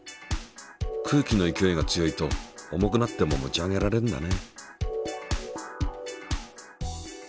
空気の勢いが強いと重くなっても持ち上げられるんだね。